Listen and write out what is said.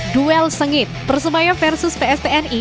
duel sengit persebaya versus pstni